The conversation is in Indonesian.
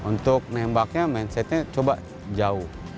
untuk nembaknya mindsetnya coba jauh